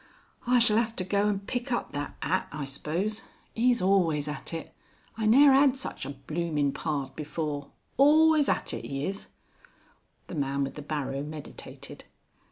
I shall 'ave to go and pick up that 'at I suppose.... 'E's always at it. I ne'er 'ad such a blooming pard before. Always at it, 'e is." The man with the barrow meditated.